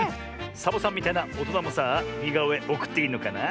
サボさんみたいなおとなもさあにがおえおくっていいのかな？